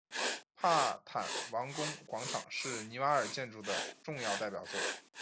帕坦王宫广场是尼瓦尔建筑的重要代表作。